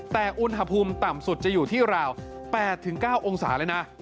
แต่อุณหภูมิต่ำสุดจะอยู่ที่ราว๘๙องศาเลยนะ